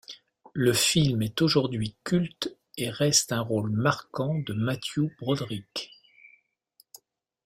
Le film est aujourd'hui culte et reste un rôle marquant de Matthew Broderick.